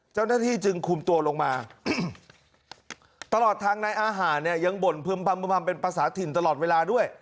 เจ้าหน้าที่จึงคุมตัวลงมาตลอดทางในอาหารเนี่ยยังบ่นพึ่มพำเป็นภาษาถิ่นตลอดเวลาด้วย